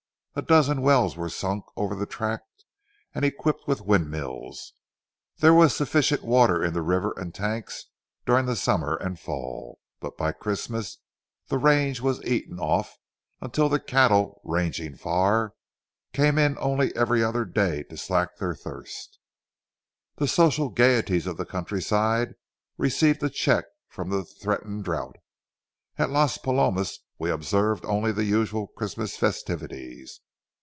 A dozen wells were sunk over the tract and equipped with windmills. There was sufficient water in the river and tanks during the summer and fall, but by Christmas the range was eaten off until the cattle, ranging far, came in only every other day to slake their thirst. The social gayeties of the countryside received a check from the threatened drouth. At Las Palomas we observed only the usual Christmas festivities.